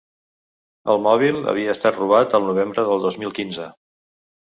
El mòbil havia estat robat el novembre del dos mil quinze.